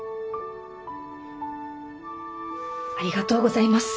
ありがとうございます。